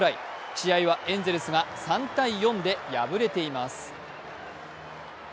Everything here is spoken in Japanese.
試合はエンゼルスが３−４で敗れています。